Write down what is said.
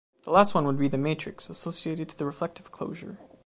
This last one would be the matrix associated to the reflective closure.